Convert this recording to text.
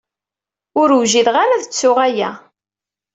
Ur wjideɣ ara ad ttuɣ aya.